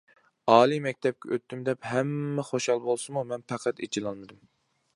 ئالىي مەكتەپكە ئۆتتۈم دەپ ھەممە خۇشال بولسىمۇ، مەن پەقەت ئېچىلالمىدىم.